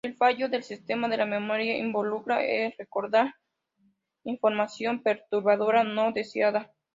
El fallo del sistema de la memoria involucra el recordar información perturbadora no deseada.